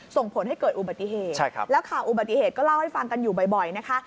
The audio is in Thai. ส่งผลให้เกิดอุบัติเหตุแล้วข่าวอุบัติเหตุก็เล่าให้ฟังกันอยู่บ่อยนะคะ